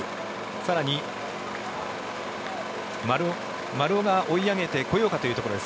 更に丸尾が追い上げてこようかというところです。